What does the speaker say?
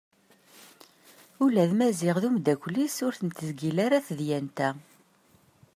Ula d Maziɣ d umddakel-is ur ten-tezgil ara tedyant-a.